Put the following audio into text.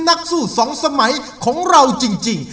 นักสู้สองสมัยของเราจริง